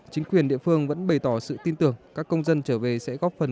chính quyền địa phương vẫn bày tỏ sự tin tưởng các công dân trở về sẽ góp phần